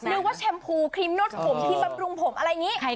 หรือว่าแชมพูครีมนวดผมครีมบำรุงผมอะไรอย่างนี้